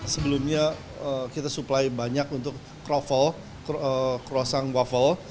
sebelumnya kita supply banyak untuk croffle croissant waffle